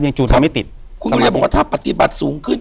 ยังจูดกันไม่ติดคุณบริเวณบอกว่าถ้าปฏิบัติสูงขึ้น